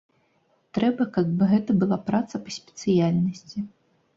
Трэба, каб гэта была праца па спецыяльнасці.